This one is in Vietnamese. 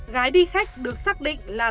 gái đi khách được xác định là